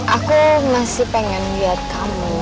aku masih pengen lihat kamu